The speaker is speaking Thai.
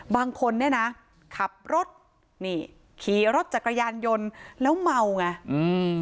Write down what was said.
บางคนเนี่ยนะขับรถนี่ขี่รถจักรยานยนต์แล้วเมาไงอืม